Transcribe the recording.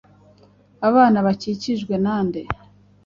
Abana bakijijwe na nde?